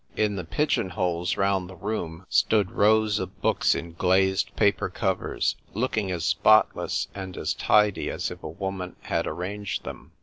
In the pigeon holes round the room stood rows of books in glazed paper covers, looking as spotless and as tidy as if a woman had arranged them.